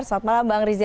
selamat malam bang rizya